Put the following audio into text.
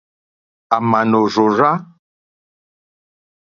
À mà nò rzòrzá.